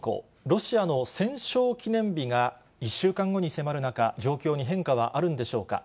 ロシアの戦勝記念日が１週間後に迫る中、状況に変化はあるんでしょうか。